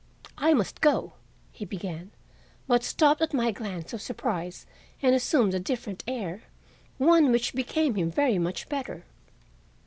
"I must go," he began, but stopped at my glance of surprise and assumed a different air—one which became him very much better.